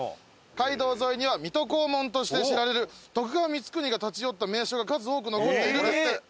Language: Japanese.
「街道沿いには水戸黄門として知られる徳川光圀が立ち寄った名所が数多く残っている」ですって。